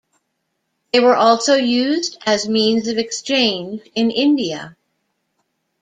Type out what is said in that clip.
They were also used as means of exchange in India.